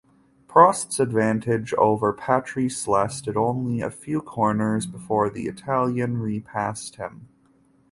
Prost's advantage over Patrese lasted only a few corners before the Italian re-passed him.